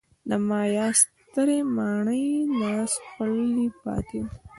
د مایا سترې ماڼۍ ناسپړلي پاتې وو.